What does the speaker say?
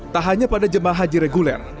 tak hanya pada jemaah haji reguler